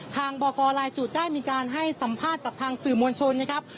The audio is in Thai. บอกกรลายจุดได้มีการให้สัมภาษณ์กับทางสื่อมวลชนนะครับ